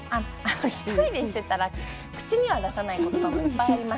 １人でしていたら口にはしないことはいっぱいあります。